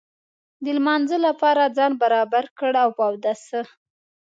د لمانځه لپاره ځان برابر کړ په اوداسه.